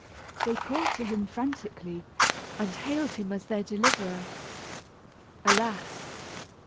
They called to him frantically, and hailed him as their deliverer. Alas!